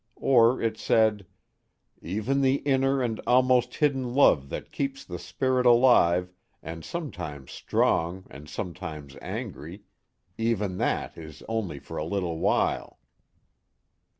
_ Or it said: _Even the inner and almost hidden love that keeps the spirit alive and sometimes strong and sometimes angry even that is only for a little while.